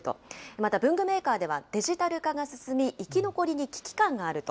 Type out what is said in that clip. また、文具メーカーでは、デジタル化が進み、生き残りに危機感があると。